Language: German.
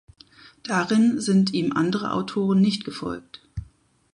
Darin sind ihm andere Autoren nicht gefolgt.